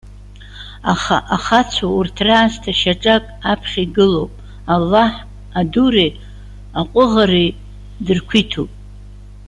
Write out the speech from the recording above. Аха ахацәа урҭ раасҭа шьаҿак аԥхьа игылоуп. Аллаҳ адуреи аҟәыӷареи дырқәиҭуп.